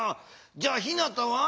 じゃあひなたは？